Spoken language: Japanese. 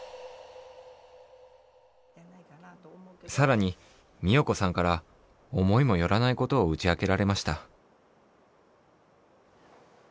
さらに美代子さんから思いもよらないことをうちあけられました。